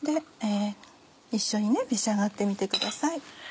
一緒に召し上がってみてください。